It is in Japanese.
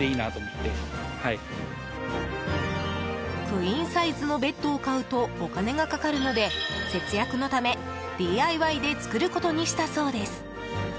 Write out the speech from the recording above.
クイーンサイズのベッドを買うとお金がかかるので節約のためＤＩＹで作ることにしたそうです。